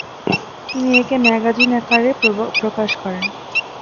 তিনি একে ম্যাগাজিন আকারে প্রকাশ করেন।